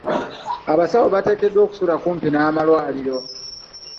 Abasawo bateekeddwa okusula kumpi n'amalwaliro.